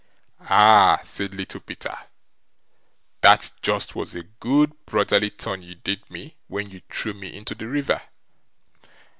"Ah!" said Little Peter, "that just was a good brotherly turn you did me, when you threw me into the river.